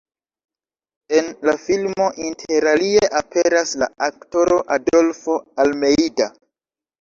En la filmo interalie aperas la aktoro Adolfo Almeida.